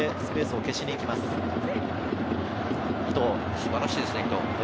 素晴らしいですね、伊東。